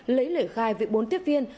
lấy lời khai việc bốn tiếp viên